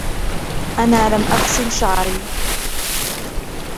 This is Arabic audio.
انا لم اغسل شعري.